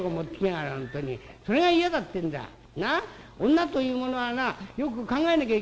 女というものはなよく考えなきゃいけねえぞ。